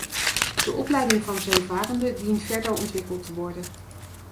De opleiding van zeevarenden dient verder ontwikkeld te worden.